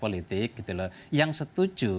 politik yang setuju